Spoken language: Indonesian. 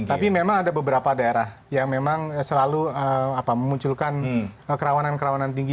tapi memang ada beberapa daerah yang memang selalu memunculkan kerawanan kerawanan tinggi